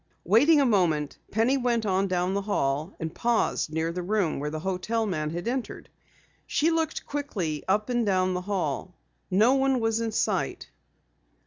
Waiting a moment, Penny went on down the hall and paused near the room where the hotel man had entered. She looked quickly up and down the hall. No one was in sight.